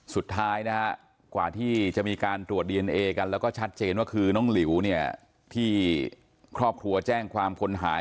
สุดท้ายนะฮะกว่าที่จะมีการตรวจดีเอนเอกันแล้วก็ชัดเจนว่าคือน้องหลิวเนี่ยที่ครอบครัวแจ้งความคนหาย